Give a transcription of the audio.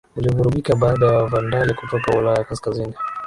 ulivurugika baada ya Wavandali kutoka Ulaya Kaskazini